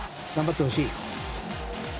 頑張ってほしい。